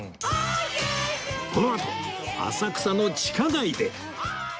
このあと浅草の地下街で